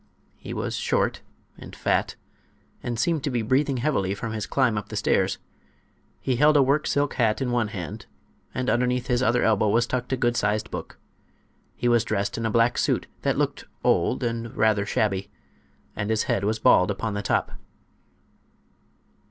He was short and fat, and seemed to be breathing heavily from his climb up the stairs. He held a work silk hat in one hand and underneath his other elbow was tucked a good sized book. He was dressed in a black suit that looked old and rather shabby, and his head was bald upon the top.